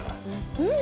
うん！